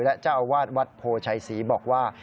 และเจ้าอาวาสวัดโพชัยศรีบอกว่า